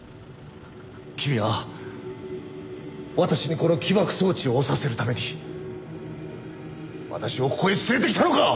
君は私にこの起爆装置を押させるために私をここへ連れてきたのか！